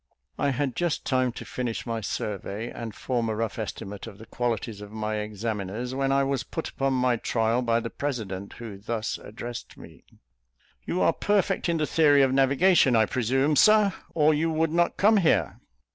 I had just time to finish my survey, and form a rough estimate of the qualities of my examiners, when I was put upon my trial by the president, who thus addressed me, "You are perfect in the theory of navigation, I presume, Sir, or you would not come here?"